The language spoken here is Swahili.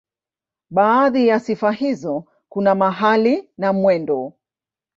Baadhi ya sifa hizo kuna mahali na mwendo.